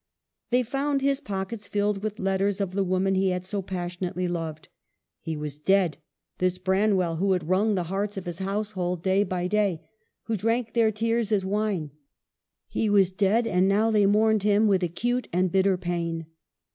They found his pockets filled with the letters of the woman he had so passionately loved. He was dead, this Branwell who had wrung BRA NW ELL'S END. 29; the hearts of his household day by day, who drank their tears as wine. He was dead, and now they mourned him with acute and bitter pain.